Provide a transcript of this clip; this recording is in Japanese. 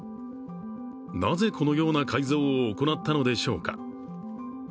なぜこのような改造を行ったのでしょうか。